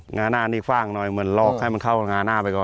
หน้านี่ฟ่างหน่อยเหมือนลอกให้มันเข้างาหน้าไปก่อน